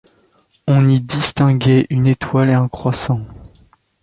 On y distinguait une étoile et un croissant.